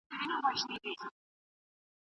کندهار یو له هغو ولایتونو څخه دی چې سیندونه لري.